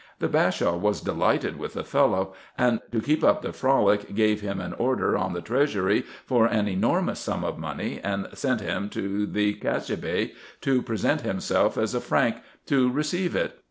The Bashaw was de lighted with the fellow ; and, to keep up the frolic, gave him an order on the treasury for an enormous sum of money, and sent IN EGYPT, NUBIA, &c 15 him to the Kaciabay, to present himself as a Frank, to receive it.